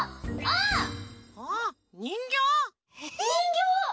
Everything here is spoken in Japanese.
にんぎょう！あ？